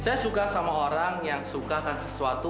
saya suka sama orang yang sukakan sesuatu